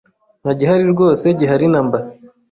Nta kibazo rwose gihari namba